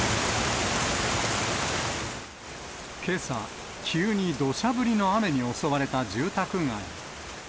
けさ、急にどしゃ降りの雨に襲われた住宅街。